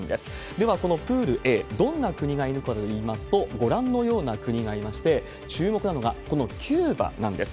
では、このプールＡ、どんな国がいるかといいますと、ご覧のような国がいまして、注目なのがこのキューバなんです。